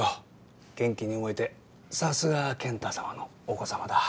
元気に動いてさすが健太さまのお子さまだ。